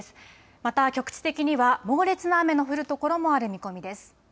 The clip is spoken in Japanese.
また局地的には、猛烈な雨の降る所もある見込みです。